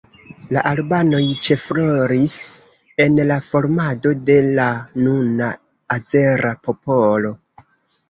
La albanoj ĉefrolis en la formado de la nuna azera popolo.